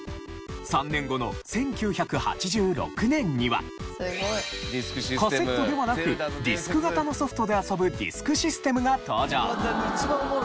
３年後の１９８６年にはカセットではなくディスク型のソフトで遊ぶディスクシステムが登場。